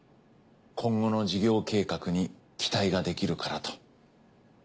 今後の事業計画に期待ができるからと。